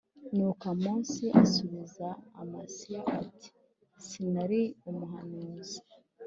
Nuko amosi asubiza amasiya ati sinari umuhanuzi